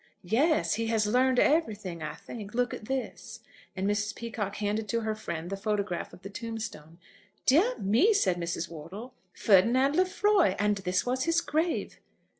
"Yes; he has learned everything, I think. Look at this!" And Mrs. Peacocke handed to her friend the photograph of the tombstone. "Dear me!" said Mrs. Wortle. "Ferdinand Lefroy! And this was his grave?"